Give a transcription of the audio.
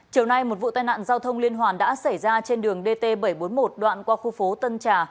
chiều nay một vụ tai nạn giao thông liên hoàn đã xảy ra trên đường dt bảy trăm bốn mươi một đoạn qua khu phố tân trà